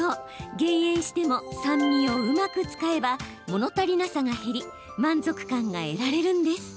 減塩しても酸味をうまく使えばもの足りなさが減り満足感が得られるんです。